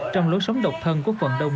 trong lối sống độc thân của phận đông